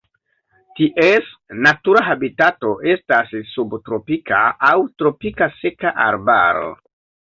Ties natura habitato estas subtropika aŭ tropika seka arbaro.